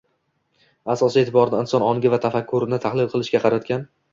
Asosiy e’tiborni inson ongi va tafakkurini tahlil qilishga qaratgan